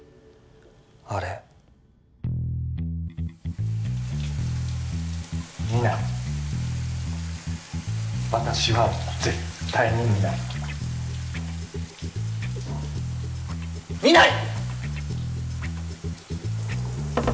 あれ見ない私は絶対に見ない見ない！